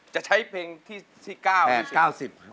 จะใช้เพลงที่๙ที่๑๐